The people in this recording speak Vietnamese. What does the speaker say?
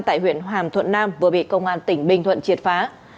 tại huyện hàm thuận nam vừa bị công an tỉnh bình thuận triệt phá